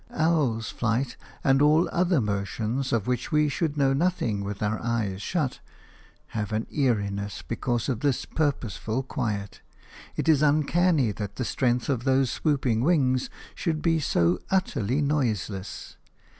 Owls' flight and all other motions of which we should know nothing with our eyes shut, have an eeriness because of this purposeful quiet; it is uncanny that the strength of those swooping wings should be so utterly noiseless.